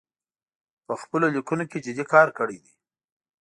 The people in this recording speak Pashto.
په خپلو لیکنو کې جدي کار کړی دی